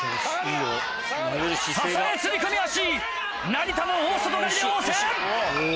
成田も大外刈で応戦！